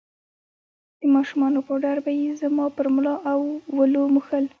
د ماشومانو پوډر به يې زما پر ملا او ولو موښل.